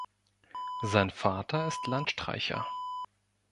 Sein Vater ist Landstreicher.